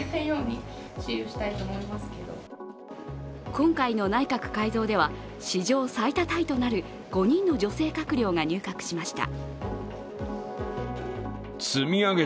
今回の内閣改造では史上最多タイとなる５人の女性閣僚が入閣しました。